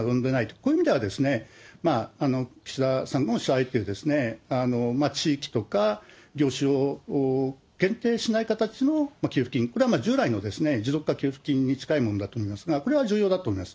こういう意味では、岸田さんのおっしゃられている地域とか業種を限定しない形の給付金、これは従来の持続化給付金に近いものだと思いますが、これは重要だと思います。